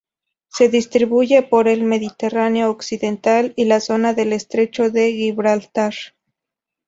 Se distribuye por el Mediterráneo occidental y la zona del estrecho de Gibraltar.